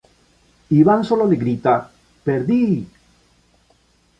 Ivan solo le grita: "¡Perdí!